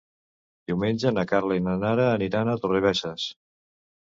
Diumenge na Carla i na Nara aniran a Torrebesses.